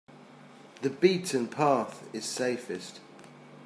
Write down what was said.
The beaten path is safest.